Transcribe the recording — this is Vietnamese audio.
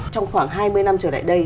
trong khoảng hai mươi năm trở lại đây